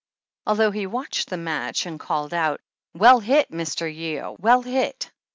Although he watched the match and called out "Well hit, Mr. Yeo, well hit !"